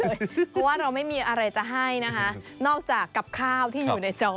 เพราะว่าเราไม่มีอะไรจะให้นะคะนอกจากกับข้าวที่อยู่ในจอ